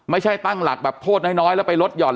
ตั้งหลักแบบโทษน้อยแล้วไปลดห่อน